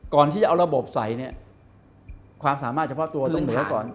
ก่อนที่จะเอาระบบใส่เนี่ยความสามารถเฉพาะตัวต้องเหนือก่อน